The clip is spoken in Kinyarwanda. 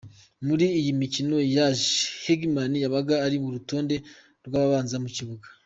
Muri iyi mikino yose, Hegman yabaga ari ku rutonde rw’ababanza mu kibuga.